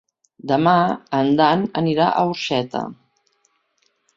Demà en Dan anirà a Orxeta.